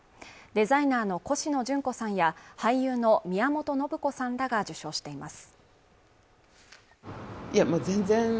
デザイナーのコシノジュンコさんや俳優の宮本信子さんらが受章しています